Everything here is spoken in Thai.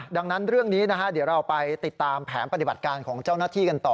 ดังนั้นเรื่องนี้นะฮะเดี๋ยวเราไปติดตามแผนปฏิบัติการของเจ้าหน้าที่กันต่อ